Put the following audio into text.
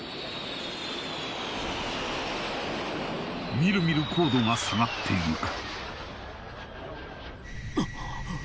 みるみる高度が下がっていく・